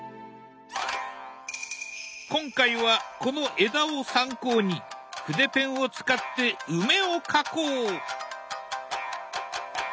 今回はこの枝を参考に筆ペンを使って梅を描こう！